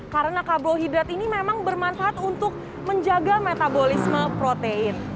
karena karbohidrat ini memang bermanfaat untuk menjaga metabolisme protein